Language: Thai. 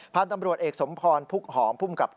พาตำรวจเอกสมพลภุกหอมผู้มกับการ